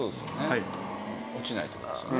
落ちないって事ですよね。